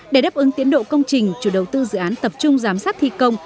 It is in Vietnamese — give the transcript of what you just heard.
để đáp ứng tiến độ công trình chủ đầu tư dự án tập trung giám sát thi công